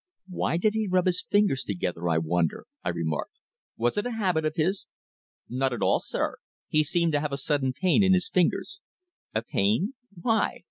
"Why did he rub his fingers together, I wonder?" I remarked. "Was it a habit of his?" "Not at all, sir. He seemed to have a sudden pain in his fingers." "A pain. Why?"